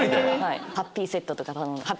はいハッピーセットとか頼む。